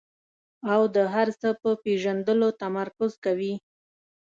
او د هر څه په پېژندلو تمرکز کوي.